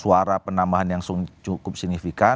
suara penambahan yang cukup signifikan